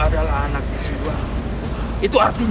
dan dan pivotal twist ini